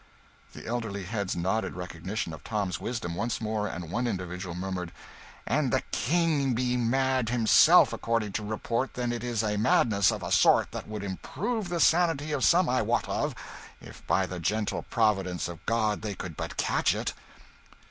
The elderly heads nodded recognition of Tom's wisdom once more, and one individual murmured, "An' the King be mad himself, according to report, then is it a madness of a sort that would improve the sanity of some I wot of, if by the gentle providence of God they could but catch it."